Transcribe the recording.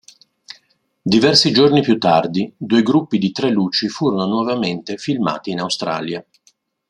Diversi giorni più tardi, due gruppi di tre luci furono nuovamente filmati in Australia.